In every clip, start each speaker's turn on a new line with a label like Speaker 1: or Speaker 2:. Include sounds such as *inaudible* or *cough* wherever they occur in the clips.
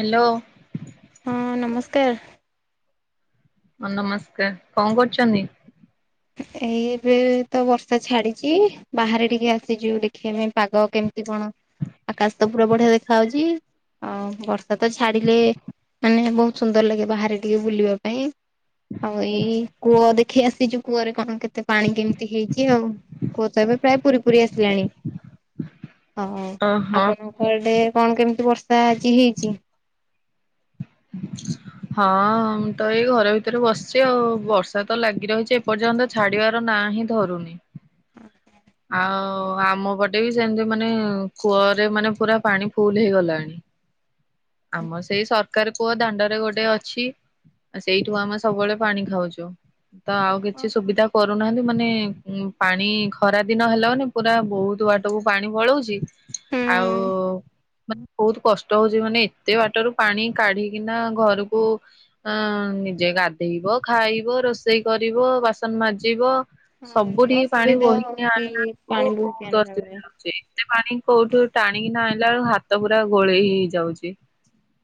Speaker 1: Hello.
Speaker 2: ହଁ ନମସ୍କାର।
Speaker 1: ହଁ ନମସ୍କାର। କଣ କରୁଛନ୍ତି?
Speaker 2: ଏଇ ଏବେ ତ ବର୍ଷା ଛାଡିଚି। ବାହାରେ ଟିକେ ଆସିଚୁ ଦେଖିବା ପାଇଁ ପାଗ କେମିତି କଣ? ଆକାଶ ତ ପୁରା ବଢିଆ ଦେଖା ହଉଚି ଆଉ ବର୍ ତୋତେ ଛାଡିଲେ ମାନେ ବହୁ ସୁନ୍ଦର ଲାଗେ ବାହାରେ ଟିକେ ବୁଲିବା ପାଇଁ। ଆଉ ଏଇ କୂଅ ଦେଖି ଆସିଚୁ କୂଅରେ କଣ କେତେ ତେ ପାଣି କେମିତି ହେଇଚି ଆଉ। କୂଅ ତ ଏବେ ପ୍ରାୟ ପୁରି ପୁରି ଆସିଲାଣି। ହଁ,
Speaker 1: ଓହୋ।
Speaker 2: ଆପଣଙ୍କ ଆଡେ କଣ କେମିତି ବର୍ଷା ଆଜି ହେଇଚି?
Speaker 1: ହଁ ମୁଁ ତ ଏଇ ଘର ଭିତରେ ବସିଚି ଆଉ। ବର୍ଷା ତ ଲାଗି ରହିଚି ଏପର୍ଯ୍ୟନ୍ତ ଛାଡିବାର ନା ନାହିଁ ଧରୁନି।
Speaker 2: *unintelligible*
Speaker 1: ଆଉ ଆମ ପଟେ ବି ସେମିତି ମାନେ କୂଅରେ ମାନେ ପୁରା ପାଣି ଫୁଲ୍ ହେଇଗଲାଣି। ଆମ ସେଇ ସରକାର କୂଅ ଦାଣ୍ଡରେ ଗୋଟେ ଅଛି। ଆ ସେଇଠୁ ଆମେ ସବୁବେଳେ ପାଣି ଖାଉଛୁ। ତ ଆଉ କିଛି
Speaker 2: ଓହୋ।
Speaker 1: ସୁବିଧା କରୁନାହାନ୍ତି। ମାନେ ଉଁ, ପାଣି ଖରା ଦିନ ହେଲା ମାନେ ପୁରା ବହୁତୁ ବାଟକୁ ପାଣି ପଳଉଚି।
Speaker 2: ହୁଁ
Speaker 1: ଆଉ ମାନେ ବହୁତ୍ କଷ୍ ଟ ହଉଚି ମାନେ ଏତେ ବାଟ ରୁ ପାଣି କାଢିକିନା ଘରକୁ ଅଁ, ନିଜେ ଗାଧେଇ ବ, ଖାଇବ, ରୋଷେଇ କରିବ, ବାସନ ମାଜିବ,
Speaker 2: ହଁ ଟିକେ
Speaker 1: ସବୁଠିକି ପାଣି
Speaker 2: ଅସୁବିଧା
Speaker 1: ବହି
Speaker 2: ହଉଚି
Speaker 1: କାଢିଲା ବେଳକୁ
Speaker 2: ପାଣି ବୋହିକି
Speaker 1: ବହୁତ
Speaker 2: ଆଣିଲା ବେଳେ।
Speaker 1: ଅସୁବିଧା ହଉଛି। ଏତେ ପାଣି କୋଉଠୁ ଟାଣି ନା ତ ଆଣିଲା ବେଳୁ ହାତ ପୁରା ଗୋଳେଇ ହେଇ ହେଇ ଯାଉଛି।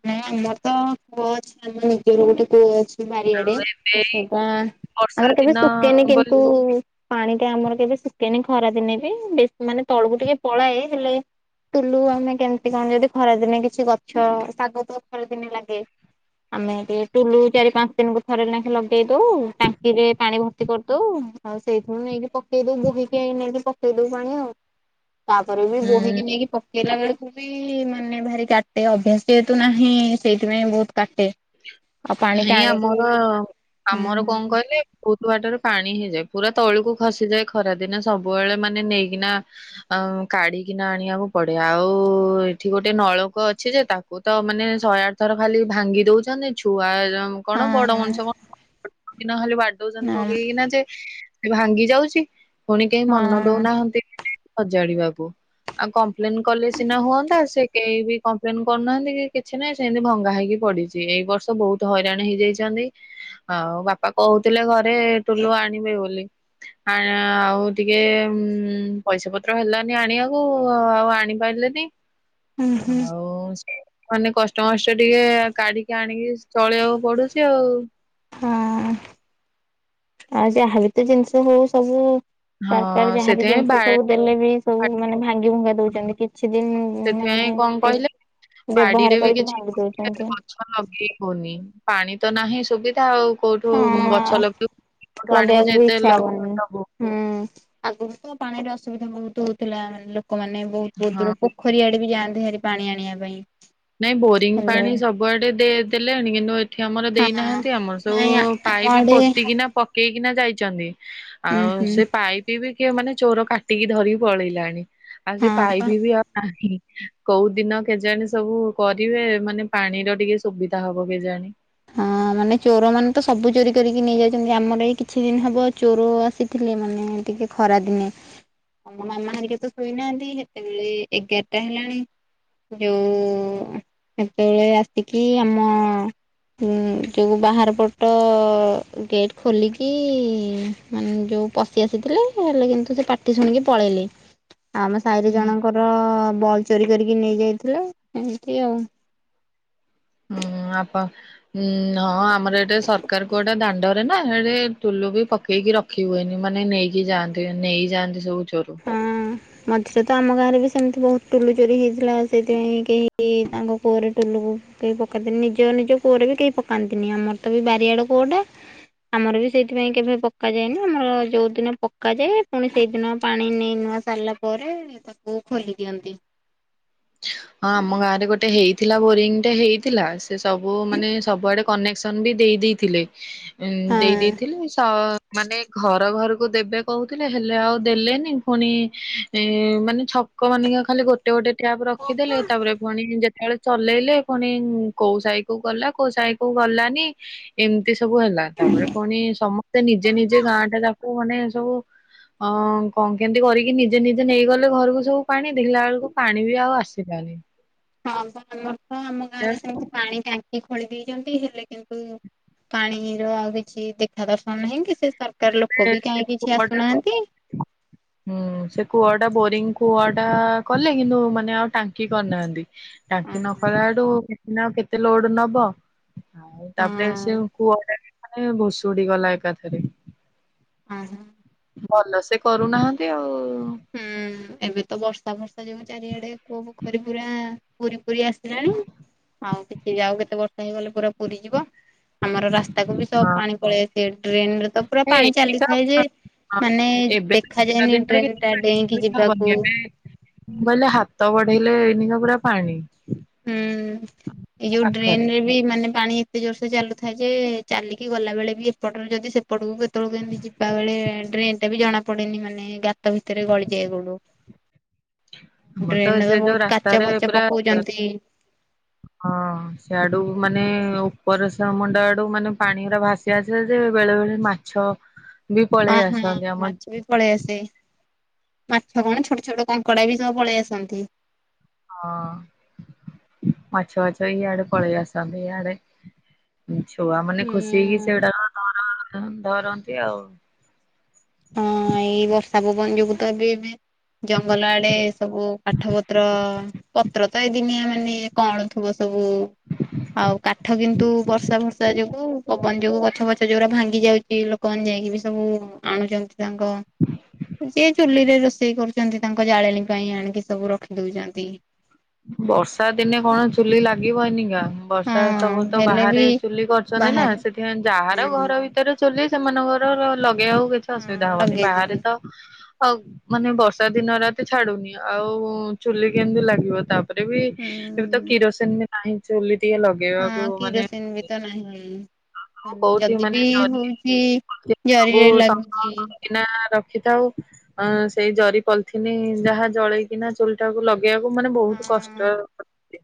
Speaker 2: ନା ଆମର ତ କୂଅ ଅଛି। ଆମ ନିଜର ଗୋଟେ କୂଅ ଅଛି। ବାରିଆଡେ ତ
Speaker 1: ଏଇ
Speaker 2: ସେଟା
Speaker 1: ବର୍ଷା
Speaker 2: ଆମର କେବେ
Speaker 1: ଦିନ
Speaker 2: ଶୁକେନି କିନ୍ତୁ, ପାଣି ଟା ଆମର କେବେ ଶୁକେନି ଖରାଦିନେ ବି ବେଶ୍ ମାନେ ତଳକୁ ଟିକେ ପଳାଏ ହେଲେ ଟୁଲୁ ଆମେ କେମତି କଣ ଯଦି ଖରା ଦିନେ କିଛି ଗଛ, ଶାଗ ତ ଖରା ଦିନେ ଲାଗେ। ଆମେ ଟିକେ ଟୁଲୁ ଚାରି ପାଞ୍ଚ୍ ଦିନ୍ କୁ ଥରେ ଲେଖା ଲଗେଇ ଦଉ। ଟାଙ୍କିରେ ପାଣି ଭର୍ତ୍ତି କରିଦଉ। ଆଉ ସେଇଥିରୁ ନେଇକି ପକେଇ ଦଉ ବୋହିକି ଏ ନେଇକି ପକେଇ ଦଉ ପାଣି ଆଉ। ତାପରେ ବି
Speaker 1: ବୋଲି
Speaker 2: ବୋହିକି ନେଇକି ପକେଇଲା ବେଳକୁ ବି ମାନେ ଭାରି କାଟେ। ଅଭ୍ୟାସ ସେ ହେତୁ ନାହିଁ ସେଇଥିପାଇଁ ବହୁତ୍
Speaker 1: ନାଇଁ ଆମର
Speaker 2: ହୁଁ
Speaker 1: ଆମର କଣ କହିଲେ ପୁ ନୁଆଟାରୁ ପାଣି ହେଇଯାଏ। ପୁରା ତଳକୁ ଖସିଯାଏ ଖରା ଦିନେ। ସବୁବେଳେ ମାନେ ନେଇକିନା ଅ। କାଢିକିନା ଆଣିବାକୁ ପଡେ। ଆଉ ଏଠି ଗୋଟେ ନଳକୂଅ ଅଛି ଯେ ତାକୁ ତ ମାନେ ଶହେ ଆ ଥର ଖାଲି ଭାଙ୍ଗି ଦଉଛନ୍ତି। ଛୁଆଏରା କଣ ବଡ ମଣିଷ
Speaker 2: ହଁ
Speaker 1: କଣ? ନହେଲେ ବାଡଉଛନ୍ତି ପକେଇକିନା ଯେ ଭାଙ୍ଗି ଯାଉଛି। ପୁଣି କେହି ମନ
Speaker 2: ହଁ
Speaker 1: ଦଉନାହାନ୍ତି ହଜାଡି ବାକୁ। ଆଉ କମ୍ପ୍ଲେନ କଲେ ସିନା ହୁଅନ୍ତା। ସେ କେହି ବି କମ୍ପ୍ଲେନ କରୁନାହାନ୍ତି କି କିଛି ନାହିଁ ସେମିତି ଭଙ୍ଗା ହେଇକି ପଡିଛି। ଏଇ ବର୍ଷ ବହୁତ ହଇରାଣ ହେଇଯାଇଛନ୍ତି। ଆଉ ବାପା କହୁଥିଲେ ଘରେ ଟୁଲୁ ଆଣିବେ। ବୋଲି ଆଁୟା ଆଉ ଟିକେ ଉମଁ ପଇସା ପତ୍ର ହେଲାନି ଆଣିବାକୁ ଆଉ ଆଣିପାରିଲେନି।
Speaker 2: ହୁଁ
Speaker 1: ଆଉ ମାନେ କଷ୍ଟମଷ୍ଟ ଟିକେ କାଢି ଆଣିକି ଚଳେଇିବାକୁ ପଡୁଛି ଆଉ।
Speaker 2: ହଁ ଆଉ ଯାହାବ ତ ଜିନିଷ ହଉ ସବୁ। ତରକାର
Speaker 1: ହଁ
Speaker 2: ଯାହାବ
Speaker 1: ସେଥିପାଇଁ ବା
Speaker 2: ଜିନିଷ ସବୁ ଦେଲେ ବି ସବୁ ମାନେ ଭାଙ୍ଗି ଭଙ୍ଗା ଦଉଛନ୍ତି କିଛି ଦିନ ମାନେ।
Speaker 1: ସେଥିପାଇଁ କଣ କହିଲେ
Speaker 2: ବ୍ୟବହାର
Speaker 1: ବାଡିରେ ବି
Speaker 2: କରିକି
Speaker 1: କିଛି
Speaker 2: ଭାଙ୍ଗି ଦଉଛନ୍ତି
Speaker 1: ଗଛ ଲଗେଇ ହଉନି ପାଣି। ତ ନାହିଁ ସୁବିଧା ଆଉ କୋଉଠୁ ଗଚ୍ଛ
Speaker 2: ହଁ
Speaker 1: *unintelligible* ଲଗେଇୁ କୋଉଠୁ ଆଣିବୁ
Speaker 2: ଲଗେଇବାକୁ
Speaker 1: ଯେ
Speaker 2: ବି
Speaker 1: ଏତେ
Speaker 2: ଇଚ୍ଛା ହବନି
Speaker 1: *unintelligible*
Speaker 2: ହୁଁ ଆଗରୁ ତ ପାଣିର ଅସୁବିଧା ବହୁତ ହଉଥିଲା ମାନେ ଲୋକମାନୋନେ ବହୁତ ବହୁତ
Speaker 1: ହଁ
Speaker 2: ଦୂର ପୋଖରୀଆ ବି ଯାନ୍ତି ହରି ପାଣି ଆଣିବା ପାଇଁ।
Speaker 1: ନାଇଁ ବୋରିଂ
Speaker 2: ହେଲେ
Speaker 1: ପାଣି ସବୁଆଡେ ଦେଇ ଦେଲେଣି କିନ୍ତୁ ଏ। ଏଠି ଆମର
Speaker 2: ହଁ
Speaker 1: ଦେଇନାହାନ୍ତି ଆମର
Speaker 2: ନାଇଁ
Speaker 1: ସବୁ
Speaker 2: ଆମ
Speaker 1: ପାଇପ
Speaker 2: ଆଡେ
Speaker 1: ପୋତିକିନା ପକେଇକିନା ଯାଇଛନ୍ତି।
Speaker 2: ଉଁ
Speaker 1: ଆଉ
Speaker 2: ହୁଁ
Speaker 1: ସେ ପାଇପି ବି କିଏ ମାନେ ଚୋର କାଟିକି ଧରିକି ପଳେଇଲାଣି। ଆଉ ସେ
Speaker 2: ହଁ ପା।
Speaker 1: ପାଇବ ବି ଆଉ ନାହିଁ କୋଉ ଦିନ କେଜଣେ। ସବୁ କରିବେ ମାନେ ପାଣିର ଟିକେ ସୁବିଧା ହବ କେଜାଣଣି
Speaker 2: ହଁ ମାନେ ଚୋର ମାନେ ତ ସବୁ ଚୋରି କରିକି ନେଇ ଯାଇଛନ୍ତି ଆମର ଏ କିଛି ଦିନ ହବ ଚୋର ଆସିଥିଲା। ଏ ମାନେ ଟିକେ ଖରା ଦିନେ ଆମ ମାମା ହରିକା ତ ଶୋଇନାହାନ୍ତି ସେତେବେଳେ ଏଗାରଟା ହେଲାଣି। ଯଉ ସେତେବେଳେ ଆସିକି ଆମ। ଉ ଯୋଉ ବାହାର ପଟ ଗେଟ୍ ଖୋଲିକି ମାନେ ଯୋଉ। ପଶି ଆସିଥିଲେ ହେଲେ କିନ୍ତୁ ସେ ପାଟି ଶୁଣିକି ପଳେଇଲେ। ଆମ ସାହିରେ ଜଣଙ୍କର ବଲ ଚୋରି କରିକି ନେଇଯାଇଥିଲେ ଏମିତି ଆଉ।
Speaker 1: ହୁଁ
Speaker 2: *inaudible*
Speaker 1: ଆପଣ ଉ ହଁ ଆମର ଏଟେ ସରକାର କ ଗୋଟେ ଦାଣ୍ଡରେ ନା ସେଠି ଟୁଲୁ ବି ପକେଇକି। ରଖି ହୁଏନି ମାନେ ନେଇକି ଯାଆନ୍ତି ନେଇ ଯାଆନ୍ତି ସବୁ ଚୋରୁ।
Speaker 2: ହଁ। ମଝିରେ ତ ଆମ ଗାଁରେ ବି ସେମିତି ବହୁତ ଟୁଲୁ ଚୋରି ହେଇଥିଲା ସେଇଥିପାଇଁ କେହି ତାଙ୍କ କୂଅରେ ଟୁଲୁକୁ। କେହି ପକାେଇନ୍ତି ନିଜ ନିଜ କୂଅରେ ବି କେହି ପକାନ୍ତିନି ଆମର ତ ବି ବାରିଆଡେ କୂଅଟା। ଆମର ବି ସେଇଥିପାଇଁ କେବେ ପକା ଯାଏନି ଆମର ଯୋଉ ଦିନ ପକାଯାଏ ପୁଣି ସେଇଦିନ ପାଣି ନେଇ ନୂଆ। ସାରିଲା ପରେ ତାକୁ ଖୋଲି ଦିଅନ୍ତି।
Speaker 1: ହଁ ଆମ ଗାଁ ରେ ଗୋଟେ ହେଇଥିଲା ବୋରିଂ। ଗଟେ ହେଇଥିଲା ସେ ସବୁ ମାନେ ସବୁଆଡେ କନେକ୍ସନ ବି ଦେଇ ଦେଇେଇଥିଲେ। ଉଁ ଦେଇ
Speaker 2: ହଁ
Speaker 1: ଦେଇେଇଥିଲି। ମାନେ ଘର ଘରକୁ ଦେବେ କହୁଥିଲେ ହେଲେ ଆଉ ଦେଲେନି ପୁଣି ମାନେଛ। ଲୋକ ମାନିକି ଖାଲି ଗୋଟେ ଗୋଟେ ଟ୍ୟାପ ରଖିଦେଲେ ତାପରେ ପଣି। ଚଲେଇଲେ ପୁଣି କୋଉ ସାହି କୁ ଗଲା କୋଉ ସାହି କୁ ଗଲାନି ଏମତି। ଏତି ସବୁ ହେଲା ତାପରେ ପୁଣି ସମସ୍ତେ ନିଜେ ନିଜେ ଗାଁ ଟା ତାକୁ ମାନେ ସବୁ। ଅଁ କଣ କେମତି କରିକି ନିଜେ ନିଜେ ନେଇଗଲେ ଘରକୁ ସବୁ ପାଣି ଦେଖିଲା ବେଳକୁ ପାଣି ବି ଆଉ ଆସ। ଆସିଲାନି।
Speaker 2: ହଁ ଆମର ତ ଆମ ଗାଁ ରେ ସେମିତି ପାଣି ଟାଙ୍କି। ଖୋଳି ଦେଇଛନ୍ତି ହେଲେ କିନ୍ତୁ ପାଣିର ଆଉ କିଛି ଦେଖା ଦର୍ଶନ ନାହିଁ କି। ସେ ସରକାର ଲୋକ
Speaker 1: ସେ
Speaker 2: ବି କାହିଁ କିଛି
Speaker 1: କୂଅଟା
Speaker 2: ଆସୁନାହାନ୍ତି।
Speaker 1: ଟା ବୋରିଙ୍ଗ କୂଆଟା କଲେ କିନ୍ତୁ ମାନେ ଆଉ ଟାଙ୍କି କରିନାହାଁନ୍ତି।
Speaker 2: ହଁ
Speaker 1: ଟାଙ୍କି ନକଲା ଠୁ ଦେଖିଲା ଆଉ କେତେ ଲୋଡ ନବ? ଆଉ ତାପରେ ସେ
Speaker 2: ହଁ
Speaker 1: କୂଅ *unintelligible* ମାନେ ଭୁଷୁଡି ଗଲା ଏକାଥରେ।
Speaker 2: ହଁ ହଁ।
Speaker 1: ଭଲ ସେ କରୁନାହାଁନ୍ତି ଆଉ
Speaker 2: ହୁଁ ଏବେ ତ ବର୍ଷା ଫର୍ଷା ଯୋଗୁ ଚାରିଆଡେ କୂଅ ପୋଖରୀ ପୁରା ପୂରି ପୂରି ଆସିଲାଣି ଆଉ କିଛି ଆଉ କେତେ ବର୍ଷ ହେଇଗଲେ ପୁରା ପୂରି ଯିବ। ଆମର ରାସ୍ତାକୁ ବି ସବୁ
Speaker 1: ହଁ
Speaker 2: ପାଣି ପଳେଇ ଆସି ଡ୍ରେନରେ ତ ପୁରା
Speaker 1: ଏଇ
Speaker 2: ପାଣି
Speaker 1: ତ
Speaker 2: ଚାଲିଥାଏ ଯେ, ମାନେ
Speaker 1: ଏବେ ତ ବର୍ଷା
Speaker 2: ଦେଖାଯାଏନି
Speaker 1: ଦିନରେ
Speaker 2: ଡ୍ରେନ୍ ଡେଇଁକି ଯିବାକୁ
Speaker 1: ବୋଇଲେ ହାତ ବଢେଇଲେ ଏଇନିକା ପୁରା ପାଣି।
Speaker 2: ଉଁ ଏଇ
Speaker 1: ମୋ
Speaker 2: ଯୋଉ
Speaker 1: ପାଖରେ।
Speaker 2: ଡ୍ରେନରେ ବି ମାନେ ପାଣି ଏତେ ଜୋର୍ ସେ ଚାଲୁଥାଏ ଯେ, ଚାଲିକି ଗଲାବେଳେ ବି ଏପଟରୁ ଯଦି ସେ ଏପଟକୁ କେତେବେଳୁ କେମତି ଯିବାବେଳେ ଡ୍ରେନଟା ବି ଜଣାପଡେନି ମାନେ ଗା ଗାତ ଭିତରେ ଗଳିଯାଏ ଗୋଡ।
Speaker 1: ଆମର
Speaker 2: ଡ୍ରେନରେ ତ
Speaker 1: ସେ ଯୋଉ
Speaker 2: ବହୁତ କାଚ
Speaker 1: ରାସ୍ତାରେ
Speaker 2: ଫାଚ
Speaker 1: ପୁରା
Speaker 2: ପକଉଚନ୍ତି
Speaker 1: ହଁ ସିଆଡୁ ମାନେ ଉପର ସେମୁଣ୍ଡ ଆଡୁ ମାନେ ପାଣିଗୁରା ଭାସି ଆସିବ ଯେ, ବେଳେବେଳେ ମାଛ ବି ପଳେଇ
Speaker 2: ହଁ ହଁ
Speaker 1: ଆସନ୍ତି ଆମ
Speaker 2: ମାଛ ବି ପଳେଇ ଆସେ। ମାଛ କଣ ଛୋଟ ଛୋଟ କଙ୍କଡା ବି ସବୁ ପଳେଇ ଆସନ୍ତି।
Speaker 1: ହଁ ମାଛ ପାଛ ଇଆଡେ ପଳେଇ ଆସନ୍ତି, ଇଆଡେ ଛୁଆମାନେ ଖୁସି ହେଇକି
Speaker 2: ହୁଁ
Speaker 1: ସେଗୁଡାକ ଧର ଧରନ୍ତି ଆଉ।
Speaker 2: ହଁ ଏଇ ବର୍ଷା ପବନ ଯୋଗୁ ତ ଏବେ ଏବେ ଜଙ୍ଗଲ ଆଡେ ସବୁ କାଠପତ୍ର ପତ୍ର ତ ଏଇଦିନିଆ ମାନେ କଅଁଳୁ ଥିବ ସବୁ ଆଉ କାଠ କିନ୍ତୁ ବର୍ଷା ଫର୍ଷା ଯୋଗୁ ପବନ ଯୋଗୁ ଗଛ ଫଛ ଯୋଉଗୁରା ଭାଙ୍ଗିଯାଉଚି ଲୋକମାନେ ଯାଇକି ବି ସବୁ ଆଣୁଚନ୍ତି ତାଙ୍କ ଯିଏ ଚୁଲିରେ ରୋଷେଇ କରୁଚନ୍ତି ତାଙ୍କ ଜାଳେଣୀ ପାଇଁ ଆଣିକି ସବୁ ରଖି ଦଉଛନ୍ତି।
Speaker 1: ବର୍ଷାଦିନେ କଣ ଚୁଲି ଲାଗିବ ଏଇନିକା? ବର୍ଷା
Speaker 2: ହଁ
Speaker 1: ସବୁ ତ
Speaker 2: ହେଲେ ବି
Speaker 1: ବାହାରେ ଚୁଲି କରିଛ ଚାନ୍ତି ନା,
Speaker 2: ବାହାରେ
Speaker 1: ସେଥିପାଇଁ ଯାହାର
Speaker 2: ହୁଁ
Speaker 1: ଘର ଭିତରେ ଚୁଲି ସେମାନଙ୍କର ଲ-ଲଗେଇବାକୁ କିଛି
Speaker 2: ହଁ
Speaker 1: ଅସୁବିଧା ହବନି। ବାହାରେ
Speaker 2: ଲଗେଇଦେବେ
Speaker 1: ତ ଆଉ ମାନେ ବର୍ଷା ଦିନ ରାତି ଛାଡୁନି ଆଉ ଚୁଲି କେମିତି ଲାଗିବ? ପରେ ବି
Speaker 2: ହୁଁ
Speaker 1: ଏବେ ତ କିରୋସିନି ବି ନାହିଁ ଚୁଲି ଟିକେ ଲଗେଇବାକୁ
Speaker 2: ହଁ
Speaker 1: ମାନେ
Speaker 2: କିରୋସିନ ବି ତ ନାହିଁ।
Speaker 1: ମୁଁ କହୁଥିବି
Speaker 2: ଯଦି ବି
Speaker 1: ମାନେ ଜରି,
Speaker 2: ହଉଛି
Speaker 1: ପଲିଥିନ୍ ସବୁ
Speaker 2: ଜରିରେ
Speaker 1: ସଂଗ୍ରହ
Speaker 2: ଲାଗୁଛି
Speaker 1: କରିକିନା ରଖି ରଖିଥାଉ। ଆ ସେଇ ଜରି ପଲିଥିନ୍ ଯାହା ଜଳେଇକିନା ଚୁଲିଟାକୁ ଲଗେଇବାକୁ ମାନେ ବହୁତ
Speaker 2: ହଁ
Speaker 1: କଷ୍ଟ *unintelligible*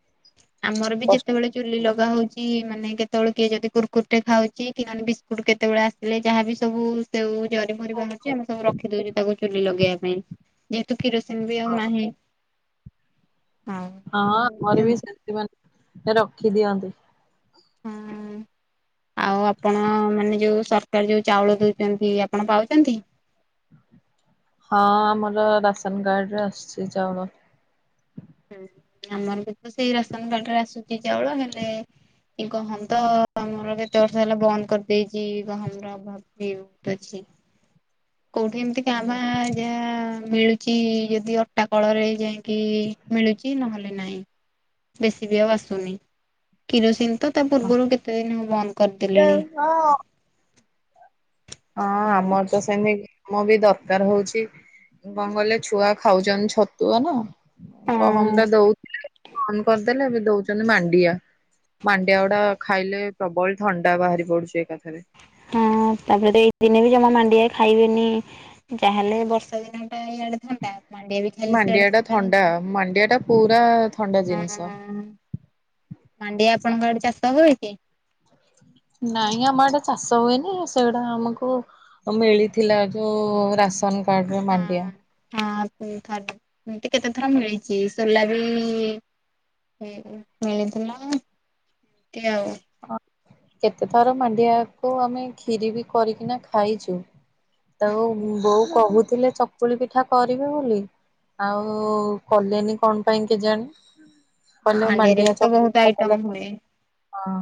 Speaker 2: ଆମର ବି
Speaker 1: ହଁ
Speaker 2: ଯେତେବେଳେ ଚୁଲି ଲଗାହଉଚି ମାନେ କେତେବେଳେ କିଏ ଯଦି କୁୁରକୁରିଟେ ଖାଉଛି, କି ମାନେ ବିସ୍କୁଟ କେତେବେଳେ ଆସିଲେ ଯାହାବି ସବୁ ସେଉ ଜରି ଫରି ବାହାରୁଛି, ଆମେ ସବୁ ରଖି ଦଉଚୁ ତାକୁ ଚୁଲି ଲଗେଇବା ପାଇଁ। ଯେହେତୁ କିରୋସିନି ବି ଆଉ ନାହିଁ
Speaker 1: ହଁ ଆମର ବି ସେମତି ମାନେ ରଖି ଦିଅନ୍ତି।
Speaker 2: ହୁଁ। ଆଉ ଆପଣ ମାନେ ଯୋଉ ସରକାର ଯୋଉ ଚାଉଳ ଦଉଚନ୍ତି ଆପଣ ପାଉଚନ୍ତି?
Speaker 1: ହଁ ଆମର ରାସନକାର୍ଡରେ ଆସୁଛି ଚାଉଳ।
Speaker 2: ଉଁ ଆମର ବି ତ ସେଇ ରାସନକାର୍ଡରେ ଆସୁଛି ଚାଉଳ ହେଲେ ଏଇ ଗହମ ତ ଆମର କେତେ ବର୍ଷ ହେଲା ବନ୍ଦ କରିଦେଇଚି ଗହମର ଅଭାବ। ହେଉ ପଛେ କୋଉଠି ଏମତି କାଁ ମ୍ଭା ଯାହା ମିଳୁଚି ଯଦି ଅଟା କଳରେ ଯାଇଁକି ନହେଲେ ନାଇଁ, ବେଶୀ ବି ଆଉ ଆସୁନି। କିରୋସିନି ତ ତା
Speaker 1: ହଁ
Speaker 2: ପୂର୍ବରୁ କେତେଦିନି ମୁଁ ବନ୍ଦ କରିଦେଲିଣି।
Speaker 1: ହଁ। ହଁ ଆମର ତ ସେମିତି ମୁଁ ବି ଦରକାର ହୋଉଛି। କଣ କହିଲେ ଛୁଆ ଖାଉଛନ୍ତି ଛତୁଆ ନା ଗହମ ଟା
Speaker 2: ହଁ
Speaker 1: ଦୋଉ ଫୋନ କରିଦେଲେ ଏବେ ଦୋଉଛନ୍ତି ମାଣ୍ଡିଆ। ମାଣ୍ଡିଆ ଗୁଡା ଖାଇଲେ ପ୍ରବଳ ଥଣ୍ଡା ବାହାରି ପଡୁଛି ଏକା।
Speaker 2: ହଁ ତାପରେ ଦିନେ ବି ଜମା ମାଣ୍ଡିଆ ଖାଇବେନି ଯାହାହେଲେ ବର୍ଷା ଦିନ ଟା ଇଆଡେ ଥଣ୍ଡା ମାଣ୍ଡିଆ ବି ଖାଇଲେ
Speaker 1: ମାଣ୍ଡିଆ
Speaker 2: ସିଆଡେ
Speaker 1: ଟା ଥଣ୍ଡା ମାଣ୍ଡିଆ ଟା ପୁରା ଥଣ୍ଡା ଜିନିଷ।
Speaker 2: ହେଇଯିବ। ହଁ ମାଣ୍ଡିଆ ଆପଣଙ୍କ ଆଡେ ଚାଷ ହୁଏ କି?
Speaker 1: ନାଇଁ ଆମ ଆଡେ ଚାଷ ହୁଏନି ସେଇଗୁଡା ଆମକୁ ମିଳିଥିଲା ଯୋଉ ରାସ ରାସନ କାର୍ଡ଼ରେ ମାଣ୍ଡିଆ।
Speaker 2: ହଁ। ହଁ ଉଁ ଥରେ ଏମିତି କେତେଥର ମିଳିଛି ସୋଲା ବି ମିଳିଥିଲା କି ଆଉ
Speaker 1: ହଁ କେତେ ଥର ମାଣ୍ଡିଆକୁ ଆମେ ଖିରି ବି କରିକିନା ଖାଇଛୁ। ତାକୁ
Speaker 2: ହୁଁ।
Speaker 1: ବୋଉ କହୁଥିଲେ ଚକୁଳି ପିଠା କରିବେ ବୋଲି ଆଉ କଲେନି କଣ ପାଇଁ କେଜାଣି। ପଲେ
Speaker 2: ମାଣ୍ଡିଆରେ ବି
Speaker 1: ମାଣ୍ଡିଆ।
Speaker 2: ତ ବହୁତ ଆଇଟମ ହୁଏ
Speaker 1: ହଁ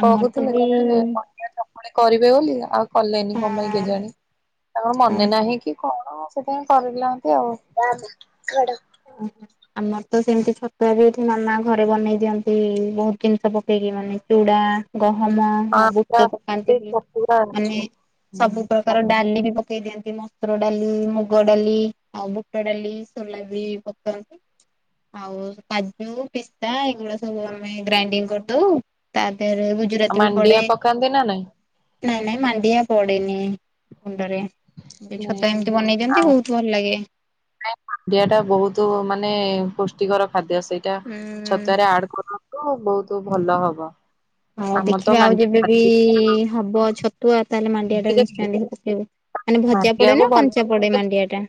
Speaker 2: ଆମର ତ
Speaker 1: କହୁଥିଲେ
Speaker 2: ବି
Speaker 1: କଣ। *unintelligible* କରିବେ ବୋଲି ଆଉ କଲେନି କଣ ପାଇଁ କେଜାଣି
Speaker 2: ହଁ
Speaker 1: ତାଙ୍କର ମନେ ନାହିଁ କି କଣ ସେଥିପାଇଁ କରିିନାହାନ୍ତି ଆଉ।
Speaker 2: ଓହୋ। ଆମର ତ ସେମିତି ଛତୁଆ ବି ଏଠି ମାମା ଘରେ ବନେଇ ଦିଅନ୍ତି। ବହୁତ ଜିନିଷ ପକେଇକି ମାନେ ଚୁଡା ଗହମ, ଆ
Speaker 1: ହଁ ପୁରା
Speaker 2: ବୁଟ ପକାନ୍ତି
Speaker 1: ସେଇ
Speaker 2: ବି
Speaker 1: ଛତୁଆ ଅଛି।
Speaker 2: ମାନେ ସବୁ ପ୍ରକାର ଡାଲି ବି ପ ସେଇ ଯେମିତି ମସୁର ଡାଲି, ମୁଗ ଡାଲି, ଆଉ ବୁଟ ଡାଲି, ସୋଲା ବି ପକାନ୍ତି। ଆଉ କାଜୁ, ପିସ୍ତା ଏଇଗୁଡା ସବୁ ଆମେ ଗ୍ରାଇଣ୍ଡିଙ୍ଗ କରିଦୋଉ। ତା ଫେରେ ଗୁଜୁରାତି ବି ପଢ଼େ।
Speaker 1: ମାଣ୍ଡିଆ ପକାନ୍ତି ନା ନାଇଁ?
Speaker 2: ନାଇଁ ନାଇଁ ମଣ୍ଡିଆ ପଢ଼େନି। ମୁଣ୍ଡରେ ଏ ଛତୁଆ ଏମିତି ବନେଇ ଦିଅନ୍ତି
Speaker 1: ଆଉ
Speaker 2: ବହୁତ ଭଲ ଲାଗେ।
Speaker 1: ନାଇଁ ମାଣ୍ଡିଆ ଟା ବହୁତ ମାନେ ପୁଷ୍ଟିକର ଖାଦ୍ୟ ସେଇଟା
Speaker 2: ହୁଁ
Speaker 1: ଛତୁଆରେ ଆଡ୍ କରନ୍ତୁ ବହୁତ ଭଲ ହବ।
Speaker 2: ହୋଉ
Speaker 1: ଆମର ତ
Speaker 2: ଦେଖିବା ଆଉ
Speaker 1: ମାଣ୍ଡିଆ
Speaker 2: ଯେବେବି ହବ ଛତୁଆ ତାହେଲେ ମାଣ୍ଡିଆ ଟା ନିଶ୍ଚୟ ନେଇକି ପକେଇଵି। ମାନେ ଭଜା ପଡେ
Speaker 1: ମାଣ୍ଡିଆକୁ
Speaker 2: ନା
Speaker 1: ଭଲ
Speaker 2: କଞ୍ଚା ପଡେ ମାଣ୍ଡିଆ ଟା?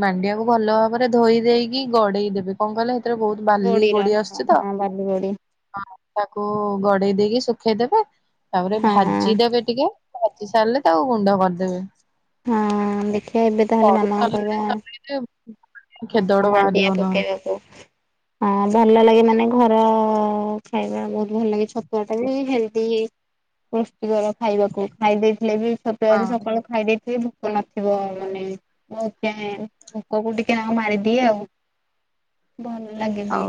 Speaker 1: ମାଣ୍ଡିଆକୁ ଭଲ ଭାବରେ ଧୋଇ ଦେଇେକି ଗଡେଇ ଦେବେ କଣ କହିଲେ ସେଥିରେ ରେ ବହୁତ ବାଲି, ଗୋଡି
Speaker 2: ରହିବ
Speaker 1: ଆସୁଛି ତ,
Speaker 2: ହଁ ବାଲି ଗୋଡି
Speaker 1: ତାକୁ ଗଡେଇ ଦେଇକି ଶୁଖେଇଦେବେ, ତାପରେ
Speaker 2: ହଁ
Speaker 1: ଭାଜିଦେବେ ଟିକେ ଭାଜି ସାରିଲେ ତାକୁ ଗୁଣ୍ଡ କରିଦେବେ।
Speaker 2: ହଁ ଦେଖିବା ଏବେ ତାହେଲେ
Speaker 1: ସରୁ
Speaker 2: ମାମା
Speaker 1: ତଲାରେ
Speaker 2: କେହିବା
Speaker 1: ଚଲେଇଲେ ଖେଦଡ
Speaker 2: ହ
Speaker 1: ବାହାରିବ
Speaker 2: ମାଣ୍ଡିଆ
Speaker 1: ନହେଲେ।
Speaker 2: ପକେଇବାକୁ। ହଁ ଭଲ ଲାଗେ ମାନେ ଘର ଖାଇବା ବହୁତ ଭଲ ଲାଗେ। ଛତୁଆ ଟା ବି ହେଲ୍ଦି ପୃଷ୍ଟିକର ଖାଇବାକୁ ଖାଇ ଦେଇଥିଲେ ବି ଛତୁଆ ଯଦି
Speaker 1: ହଁ
Speaker 2: ସକାଳୁ ଖାଇ ଦେଇ ଭୋକ ନଥିବ ମାନେ *unintelligible* ଭୋକକୁ ଟିକେ ତା ମାରିଦିଏ ଆଉ। ଭଲ ଲାଗେ ଵି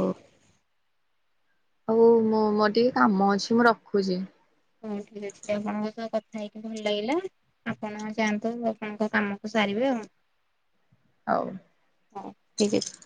Speaker 1: ହୋଉ ମୁଁ ମୋର ଟିକେ କାମ ଅଛି ମୁଁ ରଖୁଛି।
Speaker 2: ହୋଉ ଠିକ ଅଛି ଆପଣଙ୍କ ସହ କଥା ହେଇକି ଭଲ ଲାଗିଲା। ଆପଣ ଯାଆନ୍ତୁ ର ଆପଣଙ୍କ କାମକୁ ସାରିବେ ଆଉ।
Speaker 1: ହଉ।
Speaker 2: ହୋଉ ଠିକ ଅଛି।